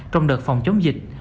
trong đợt phòng chống dịch